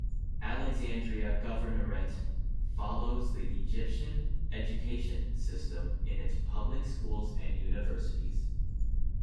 Alexandria Governorate follows the Egyptian Educational System in its public schools and universities.